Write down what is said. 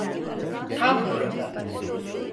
Tam buradan.